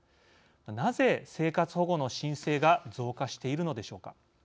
なぜ生活保護の申請が増加しているのでしょうか。